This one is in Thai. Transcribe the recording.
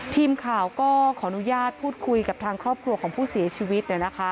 ทีมข่าวก็ขออนุญาตพูดคุยกับทางครอบครัวของผู้เสียชีวิต